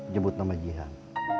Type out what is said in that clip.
nyebut nama jihan